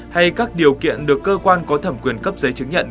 hay các điều kiện được cơ quan có thẩm quyền cấp giấy chứng nhận